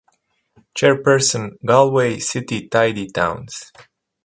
Chairperson Galway City Tidy Towns.